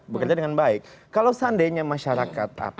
bekerja dengan baik kalau seandainya masyarakat